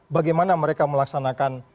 bagaimana mereka melaksanakan